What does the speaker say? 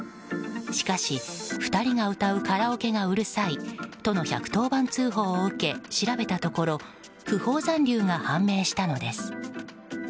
しかし、２人が歌うカラオケがうるさいとの１１０番通報を受け調べたところ不法残留が判明したのです。